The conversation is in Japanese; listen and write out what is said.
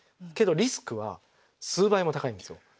けどリスクは数倍も高いんですよ。